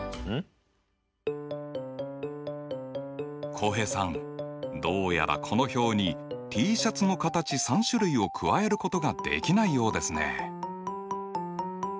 浩平さんどうやらこの表にＴシャツの形３種類を加えることができないようですね。